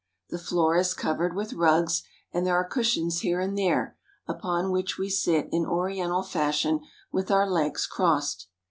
The floor is covered with rugs, and there are cushions here and there, upon which we sit in Oriental fashion with our legs crossed.